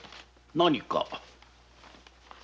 何か？